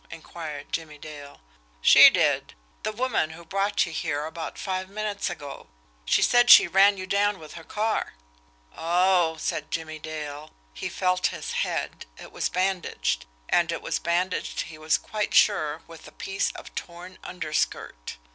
inquired Jimmie Dale. "She did. The woman who brought you here about five minutes ago. She said she ran you down with her car." "Oh!" said Jimmie Dale. He felt his head it was bandaged, and it was bandaged, he was quite sure, with a piece of torn underskirt.